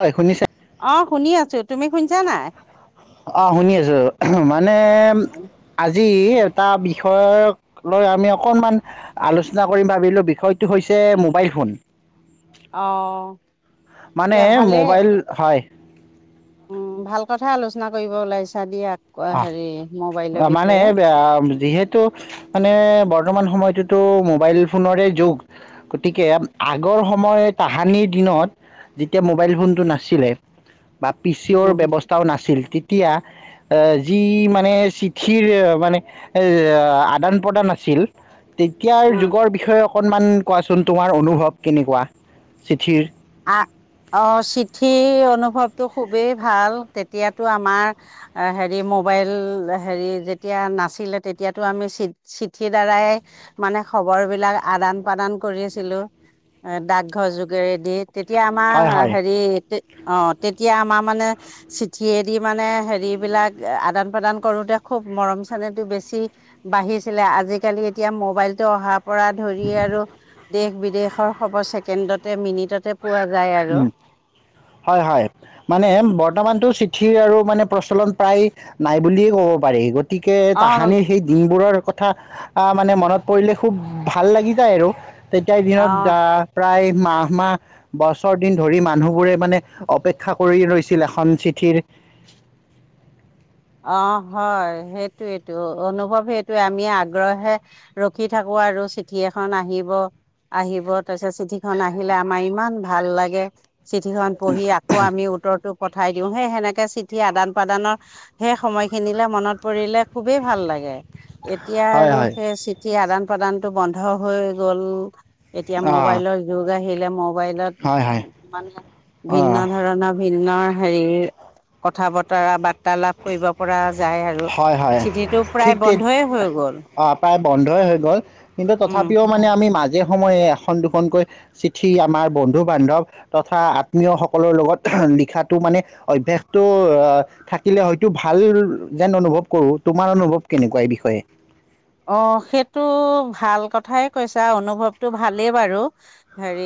হয়, শুনিছা? অ শুনি আছো, তুমি শুনিছা নে নাই? অ শুনি আছো। মানে আজি এটা বিষয়ক লৈ আমি অকনমান আলোচনা কৰিম ভাবিলো বিষয়টো হৈছে মোবাইল ফোন। অঁ তে মানে ভালে মোবাইল, হয় উম, ভাল কথাই আলোচনা কৰিব ওলাইছা দিয়া। অঁ, হেৰি মোবাইলৰ মানে বিষয়ে এ অ যিহেতু মানে বৰ্তমান সময়ত যিতো মোবাইল ফোনৰে যুগ, গতিকে আগৰ সময় তাহানিৰ দিনত যেতিয়া মোবাইল ফোনটো নাছিলে বা পি চি অৰ উম ব্যৱস্থাও নাছিল তি তিয়া এ যি মানে চিঠিৰ মানে অ আদান প্ৰদান আছিল তেতিয়াৰ যুগৰ বিষয়ক অকণমান কোৱাচোন তোমাৰ অনুভৱ কেনেকুৱা, চিঠিৰ অ চিঠি অনুভৱতটো খুবেই ভাল, তেতিয়াতো আমাৰ হেৰি মোবাইল হেৰি যেতিয়া নাছিলে তেতিয়াতো আমি চি-চিঠিৰ দ্বাৰাই মানে খবৰ বিলাক আদান প্ৰদান কৰি আছিলো, ডাকঘৰ যোগেৰেদি তেতিয়া আমাৰ হয় হ-হেৰি হয় অ তেতিয়া আমাৰ মানে চিঠিয়েদি মানে হেৰি বিলাক আদান প্ৰদান কৰোতে খুব মৰম চেনেহতো বেছি বাঢ়িছিলে, আজিকালি এতিয়া মোবাইলতটো অহা পৰা ধৰি আৰু দেশ বিদেশৰ খবৰ চেকেণ্ডত মিনিটতে পোৱা যায় আৰু উম, হয় হয় মানে বৰ্তমানতো চিঠি আৰু মানে প্ৰচলন প্ৰায় নাই বুলিয়ে ক'ব পাৰি গতিকে অঁ তাহানিৰ সেই দিনবোৰৰ কথা অহ মানে মনত পৰিলে খুব ভাল লাগি যায় আৰু। তেতিয়া দিনত অঁ অ প্ৰায় মাহ-মাহ বছ বছৰ দিন ধৰি মানুহবোৰে মানে অপেক্ষা কৰি ৰৈছিল এখন চিঠিৰ। অ হয়। সেইটোয়েইটো অনুভৱ সেইটোয়ে আমি আগ্ৰহে ৰখি থাকো আৰু চিঠি এখন আহিব-আহিব, তাৰপিছত চিঠিখন আহিলে আমাৰ ইমান ভাল লাগে। চিঠিখন পঢ়ি আকৌ আমি উত্তৰৰতটো পঠাই দিওঁ সেই সেনেকে চিঠিয়ে আদান প্ৰদানৰ সেই সময়খিনিলে মনত পৰিলে খুবেই ভাল লাগে। এতিয়া হয় আৰু হয় সেই চিঠি আদান প্ৰাদানটো বন্ধ হৈ গ'ল। এতিয়া অঁ মোবাইলৰ যুগ আহিল আহিলে ম মোবাইলত হয় হয় মানুহে ভিন্ন অঁ ধৰণৰ নৰ হেৰি, কথা বতৰা বাৰ্তালাপ কৰিব পৰা যায় আৰু হয় হয় চিঠিটো প্ৰায় ঠিক তে বন্ধয়ে হৈ গ'ল। অ প্ৰায় বন্ধই হৈ গ'ল। কিন্তু উম। তথাপিও মানে আমি মা যে ', সময়ে এখন- দুখনকৈ চিঠি আমাৰ বন্ধু-বান্ধৱ তথা আত্মীয়সকলৰ লগত লিখাটো মানে অভ্যাসটো থাকিলে হয়তো ভাল যেন অনুভৱ কৰো, তোমাৰ অনুভৱ কেনেকুৱা এই বিষয়ে? অ ', সেইটো ভাল কথাই কৈছা অনুভৱটো ভালেই বাৰু হেৰি,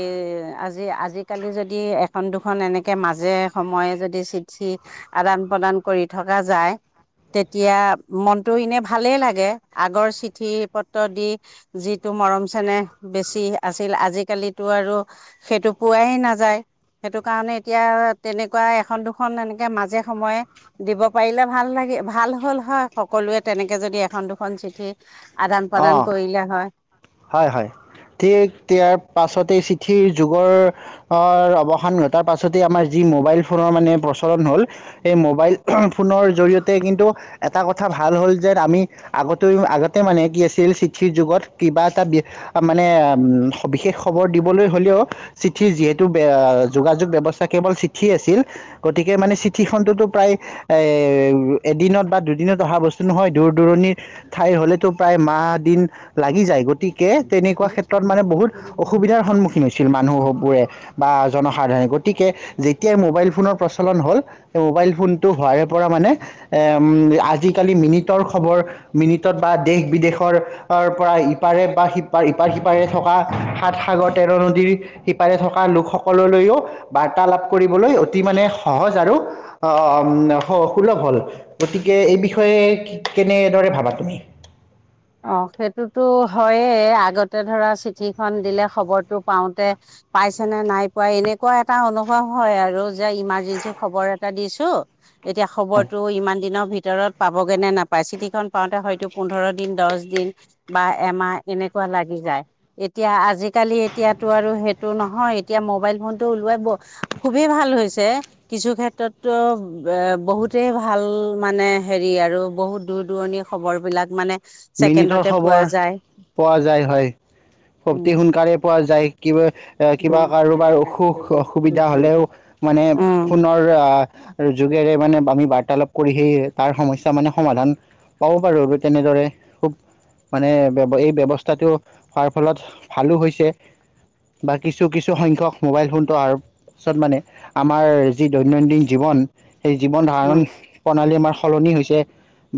আজি-আজিকালি যদি এখন-দুখন এনেকে মাজে সময়ে যদি চিঠি আদান- প্ৰদান কৰি থকা যায়, তেতিয়া মনটো এনে ভালেই লাগে। আগৰ চিঠি পত্ৰ দি যিটো মৰম চেনেহ বেছি আছিল, আজিকালিতো আৰু সেইটো পোৱাই নাযায়। সেইটো কাৰণে এতিয়া তেনেকুৱা এখন -দুখন এনেকে মাজে সময়ে দিব পাৰিলে ভাল লাগে, ভাল হ'ল হয় সকলোৱে তেনেকে যদি এখন- দুখন খন চিঠি আদান- প্ৰদান অ কৰিলে হয়। হয়- হয় ঠিক ইয়াৰ পাছতে চিঠিৰ যুগৰ অৱসান ঘটাৰ পাছতেই আমাৰ যি মোবাইল ফোনৰ মানে প্ৰচলন হ'ল, সেই মোবাইল ফোনৰ জৰিয়তে কিন্তু এটা কথা ভাল হ'ল যে আমি আগতে- আগতে মানে কি আছিল চিঠিৰ যুগত কিবা এটা মানে ম', বিশেষ খবৰ দিবলৈ হলেও চিঠিৰ যিহেতু যোগাযোগ ব্যৱস্থাতো কেৱল চিঠি আছিল। গতিকে মানে চিঠিখনতোতো প্ৰায় এ', এদিনত বা দুদিনত অহা বস্তু নহয় দূৰ-দূৰণিৰ ঠাইৰ হলেতো প্ৰায় মাহ, দিন লাগি যায়, গতিকে তেনেকুৱা ক্ষেত্ৰত মানে বহুত অসুবিধাৰ সন্মুখীন হৈছিল মানুহবোৰে বা জনসাধাৰণে। গতিকে যেতিয়াই মোবাইল ফোনৰ প্ৰচলন হ'ল, মোবাইল ফোনটো হোৱাৰে পৰা মানে আজিকালি মিনিটৰ খবৰ মিনিটত বা দেশ পৰা ইপাৰে বা সিপাৰ, ইপাৰ-সিপাৰে থকা সাত তেৰ নদীৰ সিপাৰে থকা লোকসকললৈও বাৰ্তালাাপ কৰিবলৈ অতি মানে সহজ আৰু আহ', সুলভ হল। গতিকে এই বিষয়ে কেনেদৰে ভাবা তুমি? অ সেইটোতো হয়ে আগতে ধৰা চিঠি খন দিলে খবৰটো পাওঁতে পাইছে নে নাই পাই এনেকুৱা এটা অনুভৱ হয় আৰু যে ইমাৰ্জেঞ্চি খবৰ এটা দিছো। চ এতিয়া খবৰটো ইমান দিনৰ ভিতৰত পাবগে নে নাপায় চিটিখন পাওঁতে হয়তো পোন্ধৰত দিন দছ দিন বা এমাহ এনেকুৱা লাগি যায় এতিয়া আজিকালি এতিয়াটো আৰু সেইটো নহয় এতিয়া মোবাইল ফোনটো উলোৱাই খুবেই ভাল হৈছে, কিছু ক্ষেত্ৰতো এ বহুতেই ভাল মানে হেৰি আৰু বহুত দূৰ-দূৰণি খবৰ বিলাক মানে মিনিটৰ ছেকেণ্ডতে পোৱা খবৰ যায় পোৱা যায় হয়। অতি উম সোনকালে পোৱা যায়। কিবা এ কিবা উম কাৰোবাৰ অসুখ উম অসুবিধা হলেও মানে উম ফোনৰ আহ যুগেৰে মানে আমি বাৰ্তালাপ কৰি সেই তাৰ সমস্যা মানে সমাধান পাব পাৰোঁ আৰু তেনেদৰে খুব মানে এই ব্যৱস্থাটো হোৱাৰ ফলত ভালো হৈছে বা কিছু কিছু সংখ্যক মোবাইল ফোনটো অহাৰ পাছত মানে আমাৰ যি দৈনন্দিন জীৱন, সেই জীৱন ধাৰণ প্ৰণালী আমাৰ সলনি হৈছে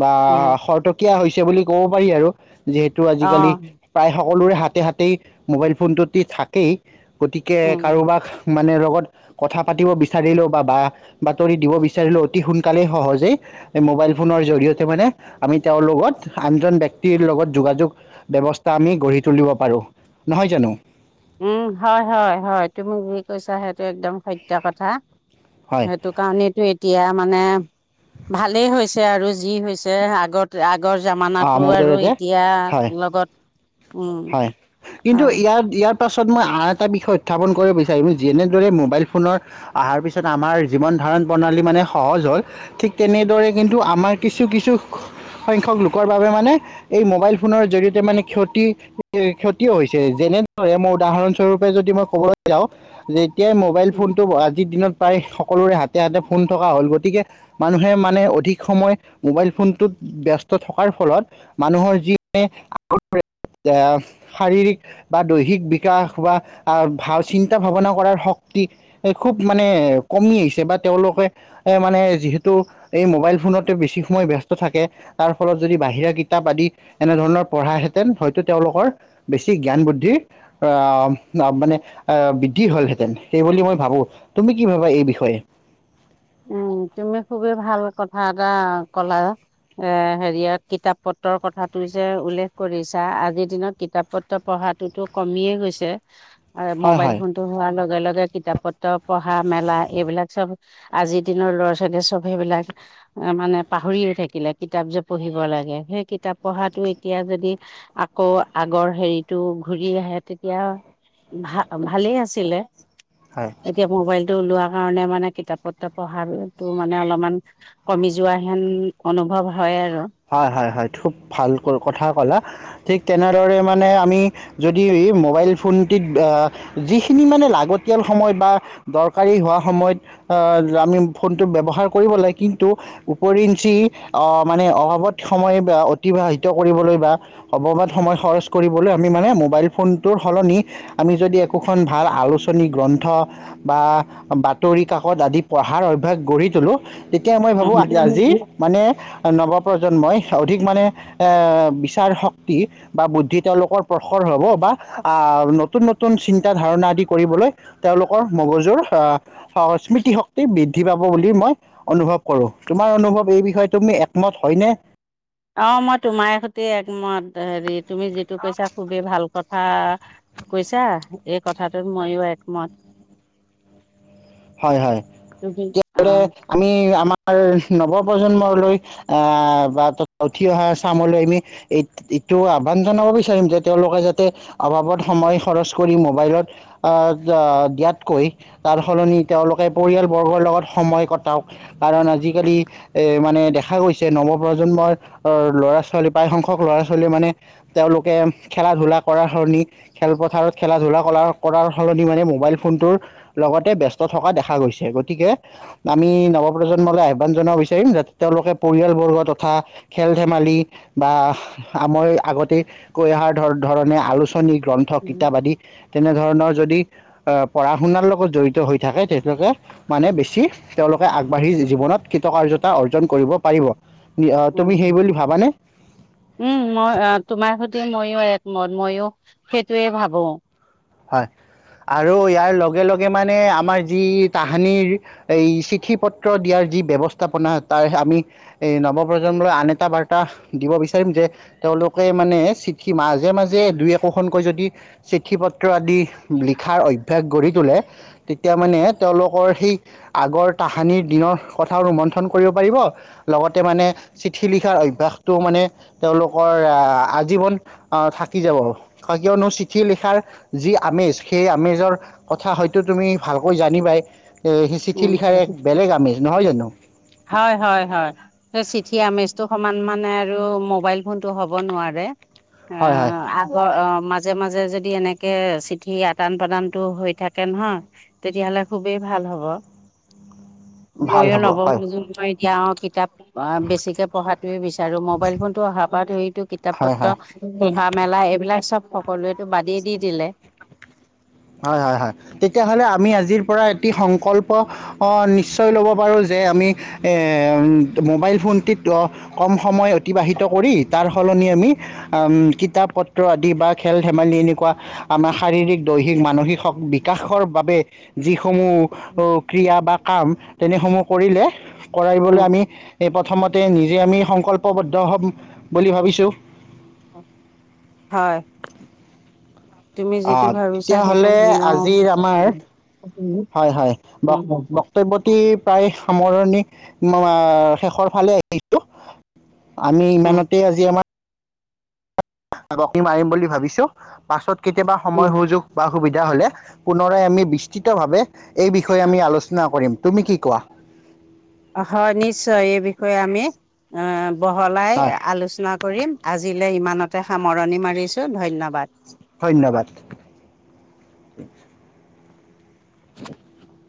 বা উম শৰতকীয়া হৈছে। সে বুলি ক'ব পাৰি আৰু যিহেতু অ আজিকালি প্ৰায় সকলোৰে হাতে হাতে মোবাইল ফোনটোদি থাকেই গতিকে উম কাৰোবাক মানে, লগত কথা পাতিব বিচাৰিলেও, বা বা বাতৰি দিব বিচাৰিলেও, অতি সোনকালেই সহজেই মোবাইল ফোনৰ জৰিয়তে মানে আমি তেওঁৰ লগত আনজন ব্যক্তিৰ লগত যোগাযোগ ব্যৱস্থা আমি গঢ়ি তুলিব পাৰো। নহয় জানো? উম হয় হয় হয় তুমি যি কৈছা সেইটো একদম সত্য কথা হয় সেইটো কাৰণেটো এতিয়া। মানে ভালেই হৈছে আৰু যি হৈছে আগত- আগৰ অ জামানাতো মোৰ আৰু জৰিয়তে এতিয়া হয় লগত, উম হয় কিন্তু হয় ইয়াৰ ইয়াৰ পাছত মই আন এটা বিষয় উত্থাপন কৰিব বিচাৰিম, যেনেদৰে মোবাইল ফোনৰ অহাৰ পিছত আমাৰ জীৱন ধাৰণ প্ৰণালী মানে সহজ হ'ল, ঠিক তেনেদৰে কিন্তু আমাৰ কিছু কিছু সংখ্যক লোক লোকৰ বাবে মানে এই মোবাইল ফোনৰ জৰিয়তে মানে ক্ষতি ক্ষতিও হৈছে। যেনেদৰে মই উদাহৰণস্বৰূপে যদি মই ক'বলৈ যাওঁ যে, এতিয়া মোবাইল উম ফোনটো আজিৰ দিনত প্ৰায় সকলোৰে হাতে হাতে ফোন থকা হ'ল গতিকে মানুহে মানে অধিক সময় মোবাইল ফোনটোত ব্যস্ত। থকাৰ ফলত, মানুহৰ যি শাৰীৰিক বা দৈহিক বিকাশ বা ভাল চিন্তা ভাৱনা কৰাৰ শক্তি খুব মানে কমি আহিছে। বা তেওঁলোকে এ মানে যিহেতু এই মোবাইল ফোনতে বেছি সময় ব্যস্ত থাকে তাৰ ফলত যদি বাহিৰা কিতাপ আদি এনেধৰণৰ পঢ়াহেঁতেন হয়তো তেওঁলোকৰ বেছি জ্ঞান বুদ্ধিৰ আহ মানে আহ বৃদ্ধি হলহেঁতেন। সেইবুলি মই ভাবো, তুমি কি ভাবা এই বিষয়ে? উম তুমি খুবেই ভাল কথা এটা কলা, এ হেৰি কিতাপ পত্ৰৰ কথাটো যে উল্লেখ কৰিছা আজিৰ দিনত কিতাপ পত্ৰ পঢ়াতটোতো কমিয়ে গৈছে আৰু হয় মোবাইল হয় ফোনতটো হোৱাৰ লগে লগে কিতাপ পত্ৰ পঢ়া মেলা এইবিলাক চব আজিৰ দিনৰ ল'ৰা ছোৱালীয়ে সব সেইবিলাক মানে পাহৰিয়ে থাকিলে। কিতাপ যে পঢ়িব লাগে সেই কিতাপ পঢ়াটো এতিয়া যদি আকৌ আগৰ হেৰিতটো ঘূৰি আহে তেতিয়া ভা ভালেই আছিলে হয় এতিয়া মোবাইল ওলোৱা কাৰণে মানে কিতাপত পঢ়াটো মানে অলপমান কমি যোৱা হেন অনুভৱ হয় আৰু হয় হয় হয়, খুব ভাল কথা ক'লা, ঠিক তেনেদৰে মানে আমি যদি মোবাইল ফোনটিত যিখিনি মানে লাগতিয়াল সময় বা দৰকাৰী হোৱা সময়ত আমি ফোনটো ব্যৱহাৰ কৰিব লাগে। কিন্তু ওৰিঞ্চি মানে অত সময় অতিবাহিত কৰিবলৈ বা অবাবত সময় খৰচ কৰিবলৈ আমি মানে মোবাইল ফোনটোৰ সলনি আমি যদি একোখন ভাল আলোচনী গ্ৰন্থ বা বাতৰি কাকত আদি পঢ়াৰ অভ্যাস গঢ়ি তোলোঁ তেতিয়া মই ভাবো আজি আজি মানে নৱ প্ৰজন্মই অধিক মানে এ বিচাৰ শক্তি বা বুদ্ধি তেওঁলোকৰ প্ৰখৰ হব বা আহ নতুন নতুন চিন্তাধাৰণা আদি কৰিবলৈ তেওঁলোকৰ মগজুৰ আহ স্মৃতিশক্তি বৃদ্ধি পাব বুলি মই অনুভৱ কৰো, তোমাৰ অনুভৱ এই বিষয়ে, তুমি একমত হয়নে? অ মই তোমাৰ সৈতে একমত। হেৰি তুমি যিটো কৈছা খুবেই ভাল কথা কৈছা, এই কথাটোত মইও একমত হয় হয়। তুমি অ আমি আমাৰ নৱপ্ৰজন্মলৈ আহ বা উঠি অহা চামলৈ আমি এইটো আহ্বান জনাব বিচাৰিম যে তেওঁলোকে যাতে অভাৱত সময় খৰচ কৰি মোবাইলত দিয়াতকৈ তাৰ সলনি তেওঁলোকে পৰিয়ালবৰ্গৰ লগত সময় কটাওক কাৰণ আজিকালি এ মানে দেখা গৈছে নৱ প্ৰ্ৰজন্মৰ ল'ৰা ছোৱালী প্ৰায়সংখ্যক ল'ৰা ছোৱালীয়ে মানে তেওঁলোকে খেলা ধূলা কৰাৰ সলনি খেলপথাৰত খেলা ধূলা কৰ কৰাৰ সলনি মানে মোবাইল ফোনটোৰ লগতে ব্যস্ত থকা দেখা গৈছে। গতিকে আমি নৱপ্ৰজন্মলৈ আহ্বান জনাব বিচাৰিম যাতে তেওঁলোকে পৰিয়ালবৰ্গ তথা খেল ধেমালি বা আই আগতে কৈ অহা ধৰণে আলোচনা থনি গ্ৰন্থ উম কিতাপ আদি তেনেধৰণৰ যদি পঢ়া শুনাৰ লগত জড়িত হৈ থাকে তেওঁলোকে মানে বেছি তেওঁলোকে আগবাঢ়ি জীৱনত কৃতকাৰ্যতা অৰ্জন কৰিব পাৰিব। উ তুমি সেই বুলি ভাবানে উম, মই তোমাৰ সৈতে সটো ময়ো একমত ময়ো সেইটোয়ে ভাবো। হয় আৰু ইয়াৰ লগে লগে মানে আমাৰ যি তাহানিৰ এই চিঠি পত্ৰ দিয়াৰ যি ব্য্ৱস্থাপনা তাৰ আমি এই নৱপ্ৰজন্মলৈ আন এটা বাৰ্তা দিব বিচাৰিম যে তেওঁলোকে মানে চিঠি মাজে মাজে দুই একোখনকৈ যদি চিঠি পত্ৰ আদি লি অভ্যাস গঢ়ি তোলে তেতিয়া মানে তেওঁলোকৰ সেই আগৰ তাহানিৰ দিনৰ কথাও ৰোমন্থন কৰিব পাৰিব লগতে মানে চিঠি লিখাৰ অভ্যাসটো মানে তেওঁলোকৰ আজীৱন থাকি যাব, কিয়নো চিঠি লিখাৰ যি আমেজ সেই আমেজৰ কথা হয়তো তুমি ভালকৈ জানিবিবাই উ, জানো হয় হয় হয়, সেই চিঠি আমি সমান মানে আৰু মোবাইল ফোন টো হ'ব নোৱাৰে। অ হয় হয় আগৰ, অ মাজে মাজে যদি এনেকে চিঠি আদান প্ৰদানতটো হৈ থাকে নহয়, তেতিয়াহলে খুবেই ভাল হব। ভাল ময়ো হ'ব নব হয় খুছো মই এতিয়া কিতাপ অ বেছিকে পঢ়াতোৱে বিচাৰো, মোবাইল ফোনতো অহাৰ পৰা সটো কিতাপ হয় পত্ৰ হয় পঢ়া মেলা, এইবিলাক চব সকলোৱেতটো বাদিয় দি দিলে। হয় হয় হয় তেতিয়া হ'লে আমি আজিৰ পৰা এটি সংকল্প অ নিশ্চয় ল'ব পাৰো যে আমি এ মোবাইল ফোনটিত কম সময় অতিবাহিত কৰি তাৰ সলনি আমি কিতাপ পত্ৰ আদি বা খেল ধেমালি এনেকুৱা আমাৰ শাৰীৰিক দৈ মানসিক শক বিকাশৰ বাবে যি- সমূহ ক্ৰিয়া বা কাম তেনেসমূহ কৰিলে কৰাইবলৈ উম, আমি এই প্ৰথমতে নিজে আমি সংকল্পবদ্ধ হ'ম বুলি ভাবিছোঁ। হয়, তুমি যিটো ভাবিছা সেইটো তেতিয়াহ'লে নিৰম আজিৰ আমাৰ হয় হয় ব বক্তব্যটি প্ৰায় সামৰণি মৰাৰ শেষৰ ফালে আহিছো আমি ইমানতে আজি আমাৰ মনি মাৰিম বুলি ভাবিছো পাছত কেতিয়াবা উম। সময় সুযোগ বা। সুবিধা হলে পুনৰাই আমি বিস্তৃতভাৱে এই বিষয়ে আমি আলোচনা কৰিম। তুমি কি কোৱা। হয় নিশ্চয় এই বিষয়ে আমি অ বহলাই হয় আলোচনা কৰিম আজিলৈ ইমান। নতে সামৰণি মাৰিছোঁ ধন্যবাদ উ [inaudible]